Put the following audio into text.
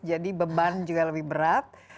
jadi beban juga lebih berat